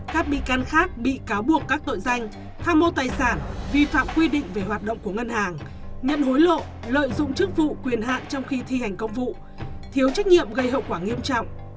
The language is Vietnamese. các bị can khác bị cáo buộc các tội danh tham mô tài sản vi phạm quy định về hoạt động của ngân hàng nhận hối lộ lợi dụng chức vụ quyền hạn trong khi thi hành công vụ thiếu trách nhiệm gây hậu quả nghiêm trọng